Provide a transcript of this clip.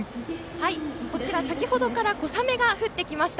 こちら、先ほどから小雨が降ってきました。